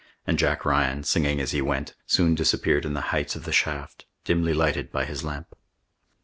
And Jack Ryan, singing as he went, soon disappeared in the heights of the shaft, dimly lighted by his lamp.